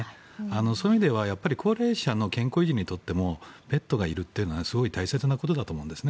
そういう意味では高齢者の健康維持にとってもペットがいるというのはすごく大切なことだと思うんですね。